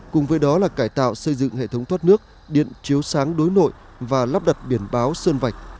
cùng với đó là cải tạo xây dựng hệ thống thoát nước điện chiếu sáng đối nội và lắp đặt biển báo sơn vạch